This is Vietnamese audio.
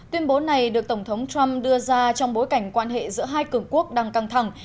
tuyên bố này được tổng thống trump đưa ra trong bối cảnh quan hệ giữa hai cường quốc đang căng thẳng